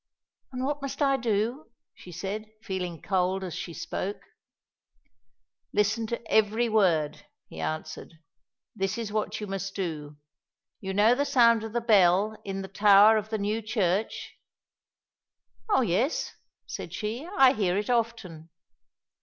"And what must I do?" she said, feeling cold as she spoke. "Listen to every word," he answered. "This is what you must do. You know the sound of the bell in the tower of the new church?" "Oh, yes," said she, "I hear it often."